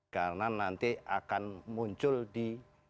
karena nanti akan muncul di